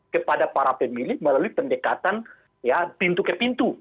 kepada para pemilih melalui pendekatan pintu ke pintu